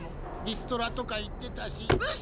「リストラ」とか言ってたし。